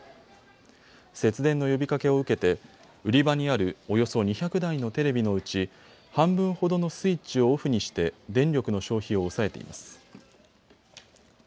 節電の呼びかけを受けて売り場にある、およそ２００台のテレビのうち半分ほどのスイッチをオフにして電力の消費を抑えています。